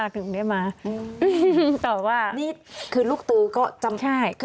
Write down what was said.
เพราะว่าถึงได้บ้าง